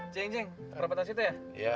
cik cik rapatkan situ ya